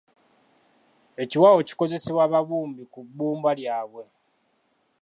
Ekiwaawo kikozesebwa babumbi ku bbumba lyabwe.